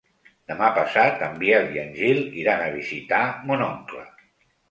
Demà passat en Biel i en Gil iran a visitar mon oncle.